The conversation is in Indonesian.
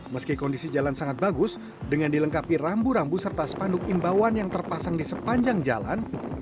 meski kondisi jalan sangat bagus dengan dilengkapi rambu rambu serta spanduk imbauan yang terpasang di sepanjang jalan